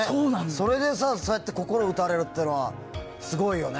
それでそうやって心打たれるっていうのはすごいよね。